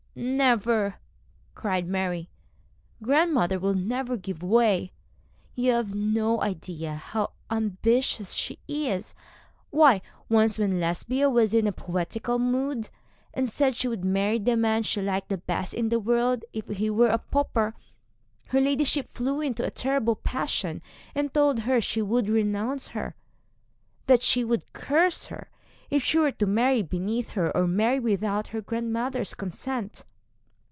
'Never,' cried Mary. 'Grandmother would never give way. You have no idea how ambitious she is. Why, once when Lesbia was in a poetical mood, and said she would marry the man she liked best in the world, if he were a pauper, her ladyship flew into a terrible passion, and told her she would renounce her, that she would curse her, if she were to marry beneath her, or marry without her grandmother's consent.'